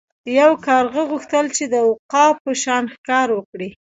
یو کارغه غوښتل چې د عقاب په شان ښکار وکړي.